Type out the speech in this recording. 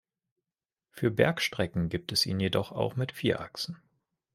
Für Bergstrecken gibt es ihn jedoch auch mit vier Achsen.